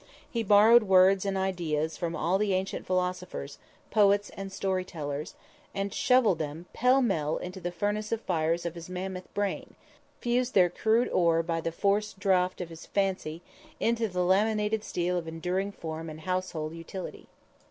He borrowed words and ideas from all the ancient philosophers, poets and story tellers, and shoveling them, pell mell, into the furnace fires of his mammoth brain, fused their crude ore, by the forced draught of his fancy, into the laminated steel of enduring form and household utility.